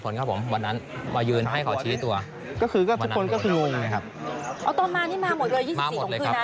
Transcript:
ก็คือกับทุกคนก็คือหัวประมาณคน๑๐มาหมดเลยครับ